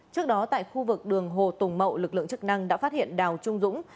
trước đó tại khu vực đường hồ tùng mậu lực lượng chức năng đã phát hiện đào trung dũng